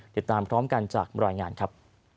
ติดตามพร้อมกันจากรายงานครับ